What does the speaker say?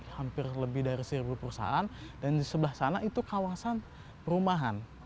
hampir lebih dari seribu perusahaan dan di sebelah sana itu kawasan perumahan